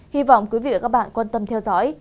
hy vọng quý vị và các bạn quan tâm theo dõi